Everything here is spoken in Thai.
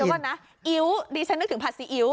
เดี๋ยวก่อนนะอิ๊วดิฉันนึกถึงผัดซีอิ๊ว